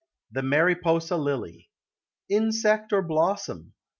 THE MARIPOSA LILY. Insect or blossom?